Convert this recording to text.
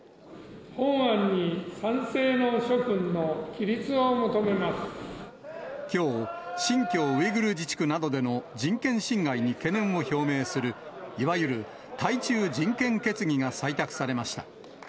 本案に賛成の諸君の起立を求きょう、新疆ウイグル自治区などでの人権侵害に懸念を表明する、いわゆる対中人権決議が採択されました。